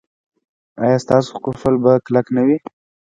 ایا ستاسو قفل به کلک نه وي؟